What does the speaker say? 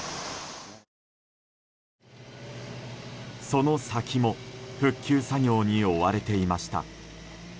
その先も復旧作業に追われていました。